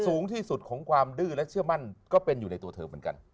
สูงที่สุดของความดื้อและเชื่อมั่นก็เป็นอยู่ในตัวเธอเหมือนกัน